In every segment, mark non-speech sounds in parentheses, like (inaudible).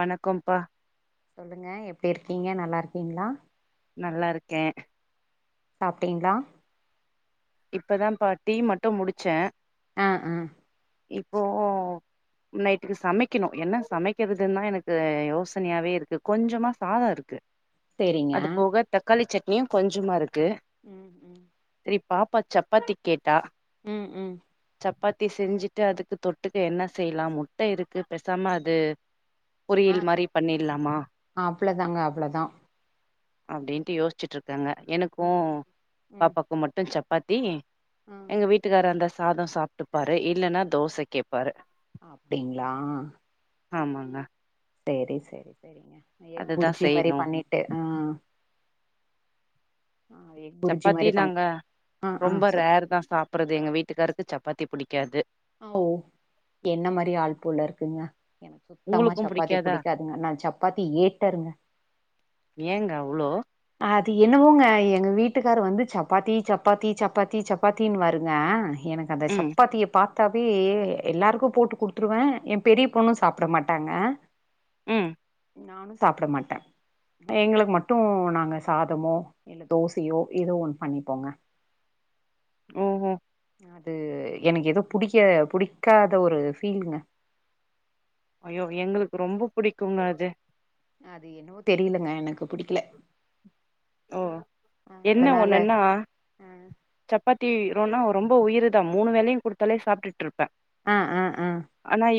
வணக்கம்ப்பா சொல்லுங்க எப்படி இருக் நீங்க நல்லா இருக்கீங்களா நல்லா இருக்கேன் சாப்ட்டீங்களா இப்பதான் பா டீ மட்டும் முடிச்சேன் ஆ ஆ இப்போ நைட்டுக்கு சமைக்கணும் என்ன சமைக்கிறது தான் எனக்கு யோசனையாவே இருக்குது கொஞ்சமா சாதம் இருக்கு சேரிங்க அது போக தக்காளி சட் னி கொஞ்சம இருக்கு ம் ம் சரி பாப்பா சப்பாத்தி கேட்டா ம் ம் சப்பாத்தி செஞ்சுட்டு அதுக்கு தொட்டுக்க என்ன செய்லாம் முட்ட இருக்கு பேசாம அது ஆ பொரியல் மாரி பண்ணிலாமா அவ்ளதாங்க அவ்ளதா அப்டின்ட்டு யோசுச்ட்டு இருக் க்காங்க எனக்கு ம் ம் பாப்பாக்கும் மட் சப்பாத்தி ம் எங்க வீட்டுகார அந்தஸ் சாதம் சாப்ட்டுப்பாரு இல்லனா தோச கேப்பாரு அப்டிங்ளா ஆ ஆமங்க சேரி சேரி சேரிங்க எக் அதுதா புர்ஜி மாரி செய்யணு பண்ணிட்டு ஆஹ் புர்ஜி சப்பாத்தி மாரி பண் நாங்க ஆ ஆ ரொம்ப சொல் ரேர் தான் சாப்டுறது எங்க வீட்டுக்காருக்கு சப் பத்தி புடிக்காது அ ஓ என்ன மாரி ஆள் போல இருக்குங்க எனக்கு சுத்தமா உங்களுக்கு சப்பாத்தி புடிக்காதா புடிக்காதுங்க நான் சப்பாத்தி ஏட்டருங்க ஏங்க அவ்ளோ அது என்னவோங்க எங்க வீட்டுக்கார வந்து சப்பாத்தி சப்பாத்தி சப்பாத்தி சப்பாத்தினு வாருங்க எனக்கு அந்த ம் சப்பாத்தியப் பா தாவே எல்லாருக்கும் போட்டு குடுத்துருவ என் பெரிய பொண்ணு சாப்ட மாட்டாங்க உம் நானு சாப்ட மாட்ட எங்களுக்கு மட்டும் நா ங்க சாதமோ இல்ல தோசயோ ஏதோ ஒண் பண்ணிப்போங்க ம்ஹ்ம் அது எனக் ஏதோ புடிக்க புடிக்காத ஒரு பீல்ங்க ஐயோ எங்களுக்கு ரொம்ப புடிக்குங்க அது அது என்னவோ தெரியலங்க எனக்குப் புடிக்கல ஓ அ என்ன அதனால ஒண்ணுன்னா அ சப்பாத்தி ரோனா ரொம்ப உயிருத மூணு வேலயும் குடுத்தாலே சாப்டுட்டு இருப் அ அ அ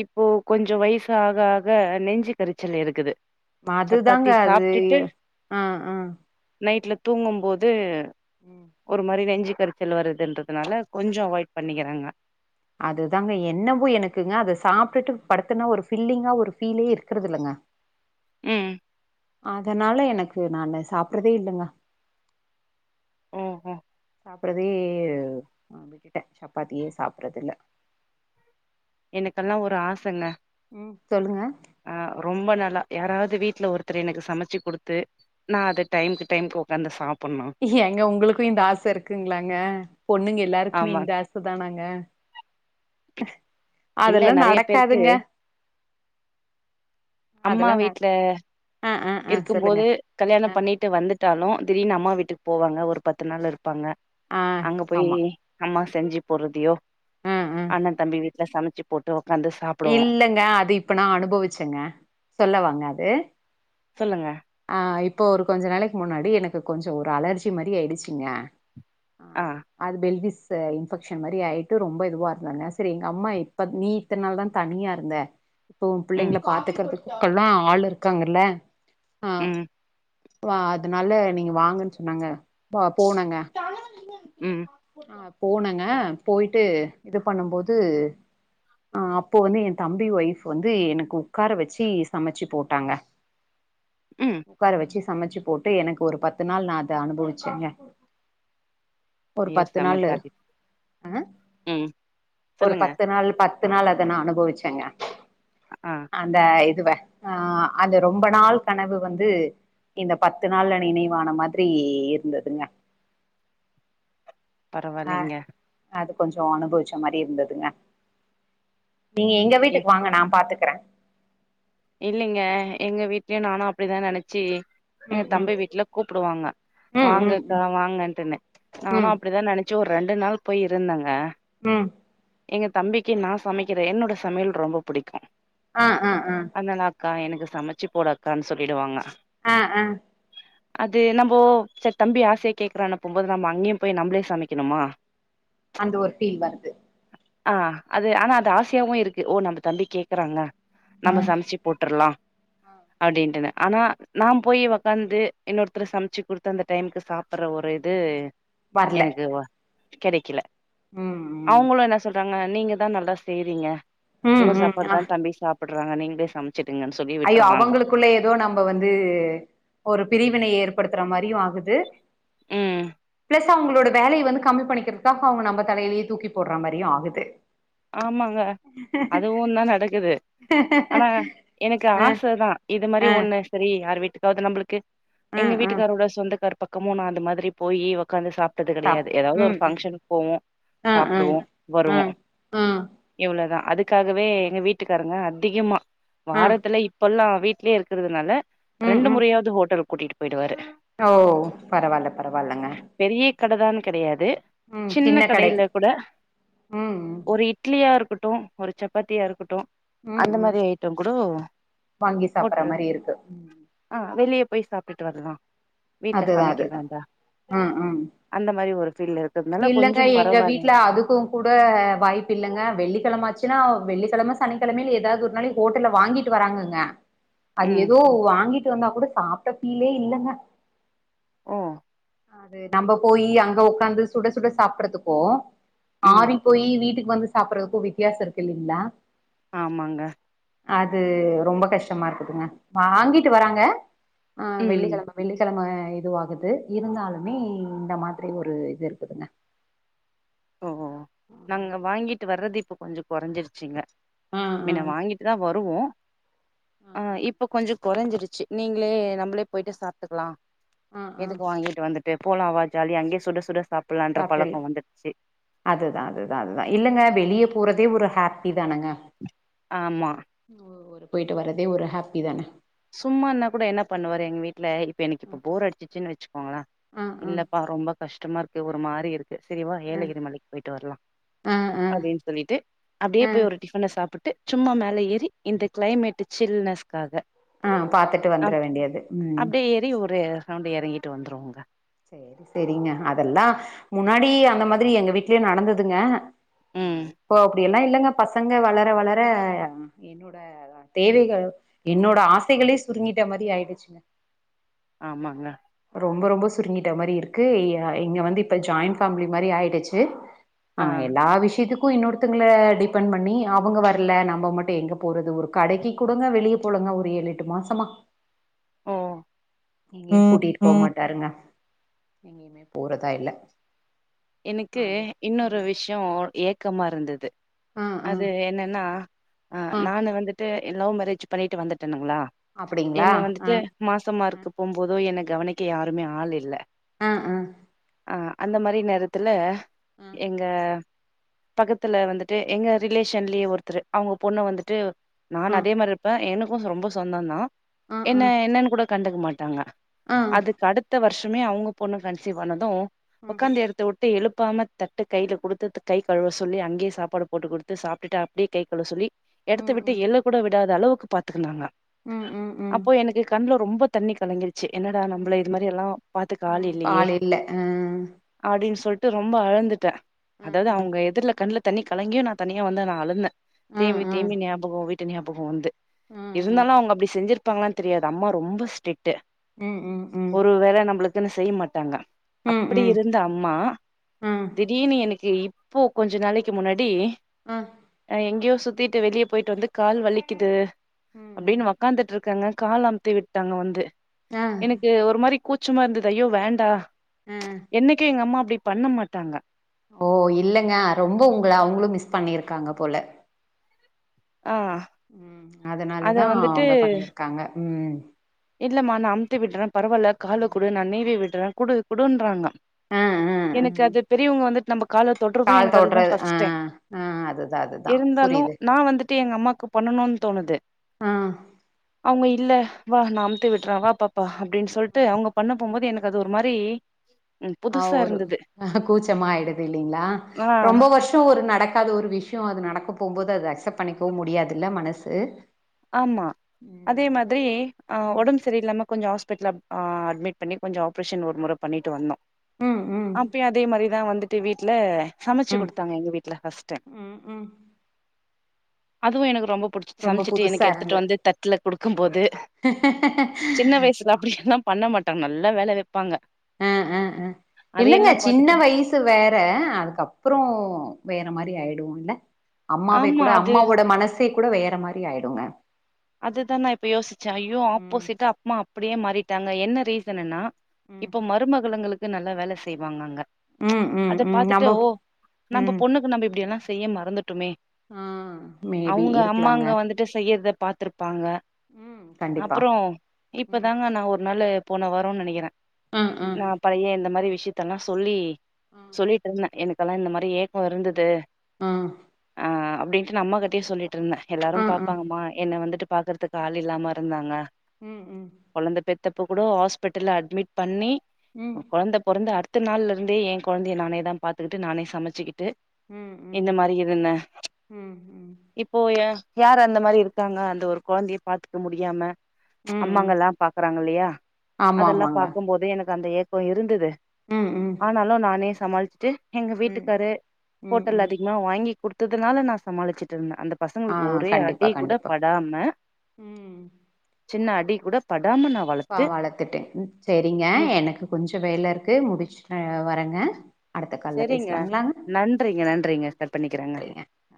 இப்போ கொஞ்சோ வயசு ஆக ஆக நெஞ்சு கரிச்சல் இருக்குது அதுதாங்க சப்பாத்தி அது அ அ நைட்டில தூங்கும்போது ம் ஒரு மாரி நெஞ்சு நெஞ்செரிச்சல் வருதுன்றதுனால கொஞ்சோ அவாய்ட் பண்ணிக்ரேங்க அதுதாங்க என்னவோ எனக்குங்க அத சாப்பிட்டுட்டு படுத்தன ஒரு ஃபில்லிங்கா ஒரு ஃபீலே இருக்கறது இல்லங்க ம் அதனால எனக்கு நானு சாப்பறதே இல்லங்க ஓஹோ சாப்பறதே ம் விட்டுட்டே சப்பாத்திய சாப்பறது இல்ல எனக்கெல்லா ஒரு ஆசங்க உம் சொல்லுங்க ல்லா யாராது வீட்ல ஒருத்தர் எனக்கு சமச்சு குடுத்து நா அத டைம்க்கு டைம் உக்காந்து சாப் ஏங்க உங்குளுக்கும் இந்த ஆச இருக்குங்களாங்க பொண்ணுங் எல்லாருக்குமே ஆமா இந்த ஆச தானாங்க இல்ல அதுல்லா நெறைய பேருக்கு நடக்காதுங்க அம்மா அதெல்லா ந வீட்ல ஆ ஆ ஆ சொல்லுங்க இருக்கும்போது கல்யாண ஆ பண்ணிட்டு வந்துட்டாலு திடீர்ன்னு அம்மா வீட்டுக் போவாங்க ஒரு பத்து நாளுருப் ப்பாங்க ஆ அங்க போய் ஆமா அம்மா செஞ்சு போட்றதயோ ஆ ஆ அண்ண தம்பி வீட் ட்ல சமச்சிப் போட்டோ இல்லங்க அது இப்ப நா அனுபவிச்சங்க சொல்லவாங்க அது சொல்லுங்க ஆ இப்போ ஒரு கொஞ்ச நாளைக்கு முன்னாடி எனக்கு கொஞ்சோ ஒரு அலர்ஜி மறியாயிடுச்சுங்க ஆ ஆஹ் அது பெல்விஸ் அ இன்ஃபெக்க்ஷன் மாரி ஆயிட்டு ரொம்ப இதுவாருந்தங்க செரி எங்க அம்மா இப்ப நீ இத்தன் நாள் தா தனியாருந்த இப்போ ஒ ம் பிள்ளைங்ல பாத்துக்கறதுக் குலா ஆள் இருக்காங்கள உம் வா அதுனால நீங்க வாங்கன் சொன்னாங்க ப போனோங்க ம் ஆப் போனங்க போய்ட்டு இது பண்ணும் போது ஆஹ் அப்ப வந்து எ தம்பி ஒய்ஃப் வந்து எனக்கு உக்கார வச்சி சமச்சுப் போட்டாங்க ம் உக்கார வச்சு ச சமச்சு போட்டு எனக்கொரு பத்து நாள் நா அத அனுபவிச்சேங்க ஒரு ஐயோ பத்து செம நாள்ளு ஜாலி அஹ் ம் ஒரு சொல்லுங்க பத்து நாள் பத் த்து நாள் அத நா அனுபவிச்சேங்க ஆ அந்த இத் துவ ஆஹ் அந்த ரொம்ப நாள் கனவு வந்து இந்த பத்து நாள்ல நினைவான மாதிரி இருந்துதுங்க பரவாலைங்க கொஞ்சோ அனுபவிச்ச மாரி இருந்ததுங்க நீங்க எங்க ஏ வீட்டுக்கு வாங்க நா பாத்துக் கிறே இல்லைங்க எங்க வீட்லயு நானு அப்டிதா நெனச்சி எங்க ம் ம் தம்பி வீட்ல கூப்புடுவாங்க ம் ம் வாங்கக்கா வாங்கன்ட்டுனு நானு ம் ம் அப்டிதா நெனச்சு ஒர் ரெண்டு நாள் போய் இருந்தங்க உம் எங்க தம்பிக்கு நா சமைக்கிறே என்னோட சமையல் ரொம்ப புடிக்கு ஆஹ் ஆஹ் ஆஹ் கா எனக்கு சமச்சுப் போடு அக்கான் சொல்லிடுவாங்க ஆஹ் ஆஹ் அது நம்போ செரி தம்பி ஆசைய கேக்குறான்னு போகும்போது நம்ம அங்கியும் போய் நம்ளே சமைக்கணுமா அந்த ஒரு ஃபீல் வருது அ அது ஆனா அது ஆசையாவு இருக்கு ஓ நம்ப தம்பி கேக்கறாங்க நம்ம சம்ச்சு போட்ரலாம் அப்டின்ட்டுனு ஆனா நா‌ போய் ஒக்காந்து இன்னொருத்தர் சம்ச்சு குடுத்து அந்த டைமுக்கு சாப்பிட்ற ஒரு இது எனக்கு வா கெடைக்கல உம் உம் அவங்களு என்ன சொல்றாங்க நீங்க தா நல்லா செய்றீங்க ம் உங்க ம் சாப்பாடு ஆ தா தம்பி சாப் பேட்றாங்க நீங்களே சம் ஐயோ அவுங்களுக்குள்ள ஏதோ நம்ப வந்து ஒரு பிரிவினை ஏற்ப் படுத்துற மாரியு ஆகுது ம் பிளஸ் அவுங்களோட வேலைய வந்து கம்மி பண்ணிக்கிறதுக்காக அவுங்க நம்ம தலையிலேயே தூக்கி போட்ற மாரியு ஆகுது ஆமாங்க அதுவு தா நடக்குது ஆனா எனக் கு ஆ ஆச தா இது மாரி ஆ ஒண்ணு செரி யார் வீட்டுக்காவது நம்புளுக்கு ஆ எங்க ஆ வீட்டுக்காரோட சொந்தக்கார் பக்கமோ நா அந்த மாதிரி போயி ஒக்காந்து சாப் டது கெடையாது ஏதாவது ம் ஒரு ம் ஃபங்ஷன் போவோ ஆ ஆ சாப்டுவோ ஆ வருவோ ஆ இவ்ளோதா அதுக்காகவே எங்க வீட்டுக்காரங்க அதிகமா ஆ வாரத்துல இப்பந்தா வீட்லயே இருகறதுனால ம் ரெண்டு ம் முறையாவது ஹோட்டல் கூட்டிட்டு போயிடுவாரு ஓ பரவால்ல பரவால்லங்க கததான்னு கெடையாது ம் சின்ன கடை கடையில கூட ம் ம் ஒரு இட்லியா இருக்கட்டும் ஒரு சப்பாத்தியா இருக்கட்டு ம் அந்த ம் மாரி ஐட்டம் கூடோ வாங்கி சாப்பற போட்ருக் மாரி இருக்கு அ வெளிய போய் சாப்ட்டுட்டு வரலா வீட்ல அதுதா சமைக்க அதுதா வேண்டா ம் ம் அந்த மாரி ஒரு ஃபீல் இருக்கிறதுனால இல்லங்க கொஞ்சோ எங்க வீட்ல பரவாயில்லைங் அதுக்கும் கூட வாய்ப் பிள்ளங்க வெள்ளிக்கிழமாச்சுன்னா வெள்ளிக்கிழம சனிக்கிழமையல ஏதாவது ஒரு நாள் ஹோட்டல்ல வாங்கிட்டு வராங்கங்க அது ம் எதோ வாங்கிட் ட்டு வந்தா கூட சாப்ட ஃபீலே இல்லங்க ஓ அது நம்போ போய் அங்க உக்காந்து சுட சுட சாப்டறத்துக்கு ம் ஆறி போய் வீட்டுக்கு வந்து சாப்டுறதுக் க்கு வித்தியாச இருக்கில்லீங்களா ஆமாங்க அது ரொம்ப கஷ்டமா இருக்குதுங்க வாங்கிட்டு வராங்க ஆ ம் வெள்ளிக்கெழம வெள்ளிக் நம்ம இதுவாகுது இருந்தாலுமே இந்த மாதிரி ஒரு இது இருக்குதுங்க ஓ ஓ நாங்க வாங்கிட்டு வர்றது இப் ப்ப கொஞ்சொ கொறஞ்சிடுச்சிங்க ஆ ஆ மின்ன வாங்கிட்டுதா வருவோ ஆ இப்ப கொஞ்சொ கொறஞ்சிருச்சு நீங்களே நம்மளே போயிட்டு சாப்ட்டுக்கலா ஆ ஆ எதுக்கு வாங்கிட்டு வந்துட் டெப்போலா ஆவா ஜாலியா அங்கே சுட சுட சாப்ட் லான்ற சாப்ட்றலா பழக்கொ வந்துடுச்சு அதுதா அதுதா அதுதா இல்லங்க வெளியே போறதே ஒரு ஹேப்பி தானங்க ஆமா ஒ ஒரு போயிட்டு வர்றதே ஒரு ஹேப்பி தான சும்மான கூட என்ன பண்ணுவாரு எங் வீட்டுல இப்ப எனக்கு இப்ப போர் அடிச்சிச்சுன்னு வச்சுக்கோங்கள ஆ ஆ இல்லப்பா ரொம்ப கஷ்டமா இருக்கு ஒரு மாரி இருக் சரி வா ஆ ஏலகிரி மலைக்கு போயிட்டு வர்லா ஆ ஆ அப்படின்னு சொல்லிட்டு அப்டியே ஆ போய் ஒரு டிஃபன சாப்புட் ட் சும்மா மேல ஏறி இந்த கிளைமேட்டு சில்னஸ்காக ஆ பாத்துட்டு வந்துர வேண்டியது ம் ரௌண்டு எறங்கிட்டு வந்துருவோங்க சரி சரிங்க அதெல்லா முன்னாடி அந்த மாதிரி எங்க வீட்டிலேயே நடந்துதுங்க ம் ஆ இப்போ அப்டி இல் ல இல்லங்க பசங்க வளர வளர ம் என்னோட தேவைகள் என்னோட ஆசைகளே சுருங்கிட்ட மாதி ஆயிடுச்சுங்க ஆமாங்க ரொம்ப ரொம்ப சுருங்கிட்ட மாரி இருக்கு இ இங்க வந்து இப்ப ஜாயிண்ட் ஃபேமிலி மாரி ஆயிடுச்சு ஆ எல்லா விஷயத்துக் க்கு இன்னொருத்தங்கல டிபென் பண்ணி அவங்க வரல நம்ம மட்டு எங்க போறது ஒரு கடைக்கு குடங்க வெளியே போலங்க ஒரு ஏழு எட்டு மாசமா ஓ எங்கயு ம் கூட்டிட்டு போக ம் மாட்டாருங்க எங்கேயுமே போறதா இல்ல எனக்கு அது ஆ இன்னொரு விஷ்யோ ஏக்கமா இருந்து ஆ ஆ அது என்னன்னா அ ஆ நானு வந்துட்டு லவ் மேரேஜ் பண்ணிட்டு வந்துட்டனுங்களா அப்டிங்களா என்ன ஆ வந்துட்டு மாசமா ஆ இருக்கு போம்போது எனக்கு கவனிக்க யாருமே ஆள் இல்லை ஆ ஆ ஆ அந்த மாரி நேரத் த்துல ஆ எங்க பக்கத்துல வந்துட்டு எங்க ரிலேஷன்லயே ஒருத்தரு அவங்க பொண்ண வந்துட்டு நான் அதே மாரி இருப்ப எனக்கு க்ளோஸ் ரொம்ப சொந்ததா ஆ என்ன என்னன்னு கூட கண்டுக்க மாட்டாங்க ஆ அதுக்கு அடுத்த வருஷ் (unintelligible) அவுங்க பொண்ணு கன்சிவ்வானது ம் உக்காந்து இரு தட்ட எழுப்பாம தட்டு கைல குடுத்து கை கழுவ சொல்லி அங்கயே சாப்பாடு போட்டு குடுத்து சாப்ட்டுட்டு அப்டியே கை கழுவ சொல்லி எடத்து ம் விட்டு எழ கூட விடாதா அளவுக் க்கு பாத்துக்கனாங்க ம் ம் அப்போ எனக்கு கண்ல ரொம்ப தண்ணி கலங்கி ச்சு என்னடா நம்மள இது ம் மாரி எல்லா பாத்துக்க ஆள் ம் இல்லையே இல்ல ஆ அப்டின்னு சொல்ட்டு ரொம்ப அழந்துட்ட ம் அதாவது ம் அவங்க எதர்ல கண்ணல தண்ணி கலங்கியு நா தனியா வந்து நா அழுந்த ம் தேம்பி ம் தேம்பி நாபகம் வீட் தனியா போக வந்து ம் ம் இருந்தாலும் அவங்க அப்டி செஞ்சிருக் ப்பாங்ளான் தெரியாது அம்மா ரொம்ப ஸ்ட்ரிட் ட்டு ம் ம் ம் ஒரு வேள நம்ளுக்கு (unintelligible) செய்ய மாட்டாங்க ம் அப்டி ம் இருக் இந்த அம்மா ம் திடீர்னு எனக்கு இப் ப்போ கொஞ்ச நாளைக்கு முன்னாடி ஆ அஹ் எங்கியோ சுத்திட்டு வெளிய போயிட்டு வந்து கால் வலிக்குது ம் ம் அப்டினு உக்காந்துட்ருக்கங்க கால அம்த்தி விட்டாங்க வந்து ஆ எனக்கு ஒரு மாரி கூச்சமா இருந்தது ஐயோ வேண்டா அஹ் என்னைக்கி எங்க அம்மா அப்டி பண்ண மாட்டாங்க ஓ இல்லங்க ரொம்ப உங்க அவங்ளு மிஸ் பண்ணி இருக்காங்க போல ஆ உம் அத அதனாலதா அவங்க பண்ணிருக்காங்க உம் இல்லமா நா அம்த்தி விட்ற பரவால்ல கால குடு நா நீவி விட்ற குடு குடுன்றாங்க ஆ ஆ ஆ எனக்கு அது பெரியவங்க வந்துட் நம்பக் கால தொட்ரது கால் எனக்கு அதுதா தொடுறது ஆ ஃபஸ் டைம். ஆ அதுதா அதுதா இருந்தாலு புரியுது நா வந்துட்டு எங்க அம்மாக்கு பண்ணணு தோணுது ஆ அவுங்க இ இல்ல வா நா அம்த்தி விட்ற வா பாப்பா அப் டின்னு சொல்ட்டு அவங்க பண்ண போம்போது எனக்கு அது ஒரு மார் ரி ஆஹ் ஒரு அஹ் கூச்சமாயிடுது இல்லிங்க்ளா, ஆ ரொம்ப வர்ஷொ ஒரு நடக் அது ஒரு விஷ்யொ அது நடக்க போம்போது அது அக்செப்ட் பண்ணிக்கவு முடியாதுல்ல மனசு ஆமா அதே ம் மாதிரி ஆஹ் ம் ஒடம்பு சரில்லாம கொஞ்சோ ஆஸ் பிட்ல ஆஹ் அட்மிட் பண்ணி கொஞ்சொ ஆப்ரேஷன் ஒரு முற பன்னிட்டு வந்தோ ம் அப்பியு அதே மாரிதா வந்து து வீட்ல சமச்சு ம் குடுத்தாங்க எங்க வீட்ல ஃபஸ்ட் டைம் ம் ம் ம் அதுவு எனக்கு ரொம்ப புடிச்சு ரொம்ப சம்சு புதுசா கெடுத்துட்டு இருந்து வந்து தட்ல குடுக்கும் போது சின்ன வயசுல அப்டி இதுல்லா பண்ண மாட்டாங்க நல்லா வேல வெப் அஹ் அஹ் அஹ் இல்லங்க அதையெல்லா சின்ன பாத்துட்டு வயசு வேற அதுக்கப்புறோ வேற இந்த மாரி ஆயிடுவோ இல்ல அம்மாவைக் ஆமா கூட அது அம்மாவோட மனசு தேக் கூட வேற மாரி ஆயிடுங்க அதுதா நா இப்ப யோசிச்சே ஐயோ ம் ஆப்போசிட்டா அம்மா அப்டியே மாறிட் டாங்க என்ன ரீசனுன்னா ம் இப்போ மருமகளுங்களுக் து நல்லா வேல செய்வாங்க அங்க ம் ம் அத ம் பாத்துட்டு நம்ப ஓ நம்ப பொண்ணுக்கு நம்ப இப்டியெல்லா செ செய்ய மறந்துட்டுமே ஆஹ் மேபி இருக்கலாங்க பாத்திருப் ப்பாங்க ம் கண்டிப்பா அப்புறோ ம் இப்பதாங்க நா ஒரு நாளு போன வாரோன்னு நெனக்கிறே ஆ, ஆ, நா பழைய இந்த மாரி விஷயத்தல்லா சொல்லி சொல்லிட்டுருந்தே எனக்கு அப்பெல்லா இந்த மாரி ஏக்ககோ இருந்தது ம் அஹ் அப்டின்ட்டு அம்மாகிட்டயே சொல்லிட் ட்டுருந்தே எல்லாரு ஆ, ஆ. பாப்பாங்கம்மா என்ன வந்துட்டு பாக்கறதுக்கு ஆள் இல்லாம இருந்தாங்க உம் உம் தப்பக் கூடோ ஹாஸ்பிட்டல அட்மிட் பண்ணி ம், கொழந்த பொறந்த அடுத் இத்த நாள்ல இருந்தே என் கொழந்தைய நானே தா பாத்துக்கிட்டு நானே சமச்சிக்கிட்டு ம், ம், இந்த மாரி இதுனு ம், ம், இப்போ ஏ யார் அந்த மாரி இருக் த்தாங்க அந்த ஒரு கொழந்தைய பாத்துக்க முடியாம ம், ம். அம்மாங்கல்லாம் பாக்குறாங்க இல்லையா ஆமா, அதெல்லாம் ஆமாங்க. பாக்கும் போதே எனக்கு அந்த ஏக் ப்ப இருந்தது ம், ம், ஆனாலு நானே சமாளிச்சிட்டு எங்க ம், வீட்டுக்கரு ம், ஹோட்டல் ம். அதிகமா வாங்கி குடுத் துத்துனால நா சமாளிச்சுட்டுருந்தே அந்த ஆ, பசங்களுக்கு ஒரே கண்டிப்பா, அடி கூட கண்டிப்பா. படாம ம். சின்ன அடி கூட பட் பா வளத்துட்டே செரிங்க எனக்கு கொஞ்சோ வேலருக்கு முடிச்சுட் அ வரங்க செரிங்க நன்றிங்க நன்றிங்க கட் பண்ணிக்கிறாங்க நன்றிங்க. நன்றி.